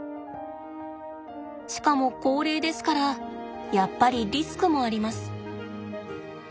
しかも高齢ですからやっぱりリスクもあります。